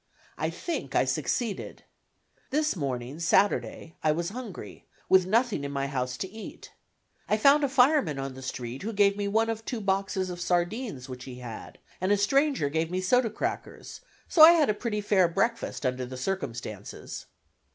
I think I succeeded. This morning (Saturday) I was hungry, with nothing in my house to eat. I found a fireman on the street who gave me one of two boxes of sardines which he had, and a stranger gave me soda crackers, so I had a pretty fair breakfast under the circumstances.